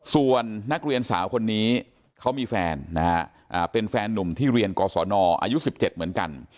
ส่วนนักเรียนสาวคนนี้เขามีแฟนนะฮะเป็นแฟนนุ่มที่เรียนกศนอายุ๑๗เหมือนกัน